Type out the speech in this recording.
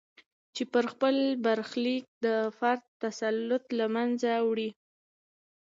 چې پر خپل برخلیک د فرد تسلط له منځه وړي.